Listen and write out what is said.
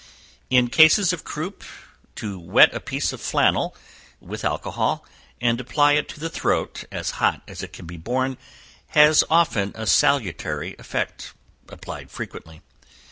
In cases of croup, to wet a piece of flannel with, alcohol, and apply it to the throat as hot as it can be borne, has often a salutary effect, applied frequently.